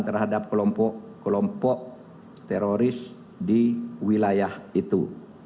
terhadap kelompok kelompok teroris di wilayah itu